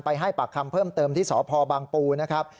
ให้ปากคำเพิ่มเติมที่สพบางปูนะครับ